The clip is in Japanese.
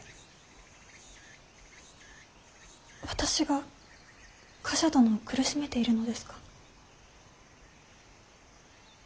私が冠者殿を苦しめているのですか。